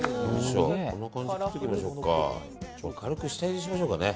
軽く下ゆでしましょうかね。